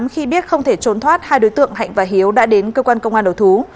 khi biết không thể trốn thoát hai đối tượng hạnh và hiếu đã đến cơ quan công an đầu thú